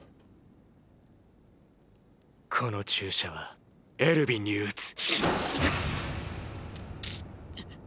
この注射はエルヴィンに打つ。